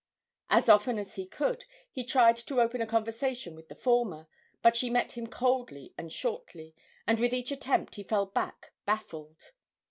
As often as he could, he tried to open a conversation with the former, but she met him coldly and shortly, and with each attempt he fell back baffled.